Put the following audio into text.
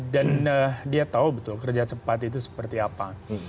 dan dia tahu betul kerja cepat itu seperti apa